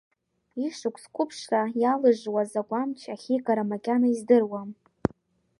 Ишықәс қәыԥшра иалыжжуаз агәамч ахьигара макьана издыруам.